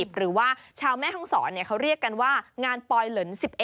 หรือว่าชาวแม่ห้องศรเขาเรียกกันว่างานปลอยเหลิน๑๑